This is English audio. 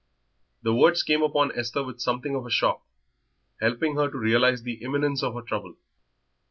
The words came upon Esther with something of a shock, helping her to realise the imminence of her trouble.